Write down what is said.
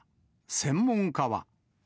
専門家は。